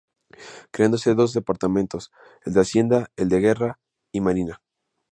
Creándose dos departamentos: el de Hacienda y el de Guerra y Marina.